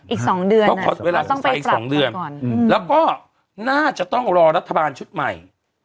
อีก๒เดือนเขาขอเวลาต้องไป๒เดือนแล้วก็น่าจะต้องรอรัฐบาลชุดใหม่